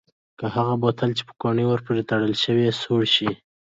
که هغه بوتل چې پوکڼۍ ور پورې تړل شوې سوړ شي؟